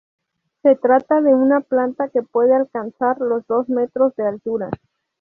Se trata de una planta que puede alcanzar los dos metros de altura.